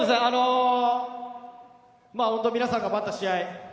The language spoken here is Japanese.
本当、皆さんが待った試合